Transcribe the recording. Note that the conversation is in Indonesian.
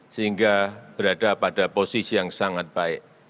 sehingga berada pada posisi yang sangat baik